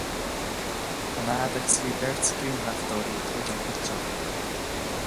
An fhad agus a bhí beirt ghriangrafadóirí ag tógáil pictiúr.